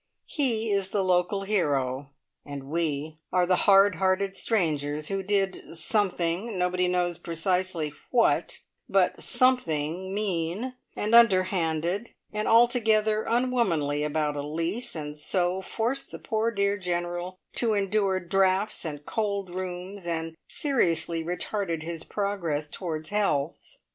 He is the local hero, and we are the hard hearted strangers who did Something nobody knows precisely what but Something mean, and underhand, and altogether unwomanly about a lease, and so forced the poor dear General to endure draughts and cold rooms, and seriously retarded his progress towards health!